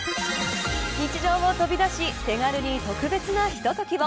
日常を飛び出し手軽に特別なひとときを。